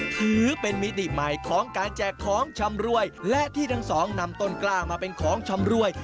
ถือเป็นมิติใหม่ของการแจกของชำรวยและที่ทั้งสองนำต้นกล้ามาเป็นของชำรวย